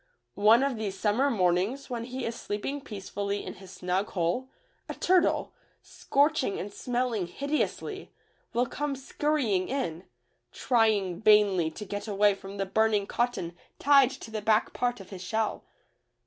One of these summer mornings, when he is sleeping peacefully in his snug hole, a turtle, scorching and smelling hideously, will come scurrying in, trying vainly to get away from the burning cotton tied to the back part of his shell.